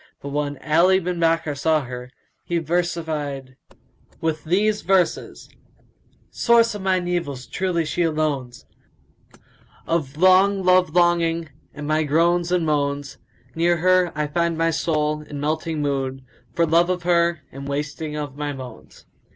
But when Ali bin Bakkar saw her, he versified with these verses, "Source of mine evils, truly, she alone 's, * Of long love longing and my groans and moans; Near her I find my soul in melting mood, * For love of her and wasting of my bones."